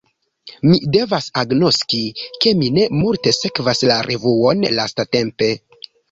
Mi devas agnoski, ke mi ne multe sekvas la revuon lastatempe.